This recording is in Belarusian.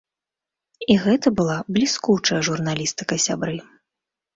І гэта была бліскучая журналістыка, сябры.